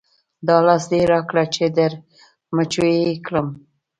دا لاس دې راکړه چې در مچو یې کړم.